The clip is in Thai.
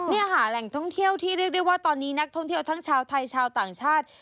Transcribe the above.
นี่ค่ะแหล่งท่องเที่ยวที่เรียกได้ว่าตอนนี้นักท่องเที่ยวทั้งชาวไทยชาวต่างชาติ